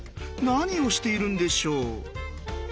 何をしているんでしょう。